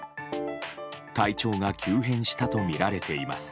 体調が急変したとみられています。